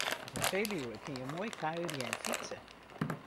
Op 'e Feluwe kinne jo moai kuierje en fytse.